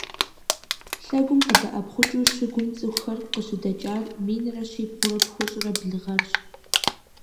Лъэгум къыдэӏэпхъукӏыу щыгум цӏыхухэр къыщыдэкӏар минрэ щибгъурэ тхущӏрэ блы гъэрщ.